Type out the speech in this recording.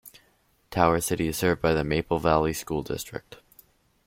Tower City is served by the Maple Valley School District.